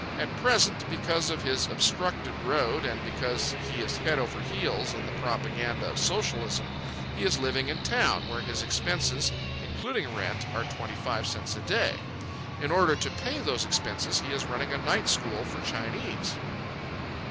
At present, because of his obstructed road and because he is head over heels in the propaganda of socialism, he is living in town, where his expenses, including rent, are twenty five cents a day. In order to pay those expenses he is running a night school for Chinese.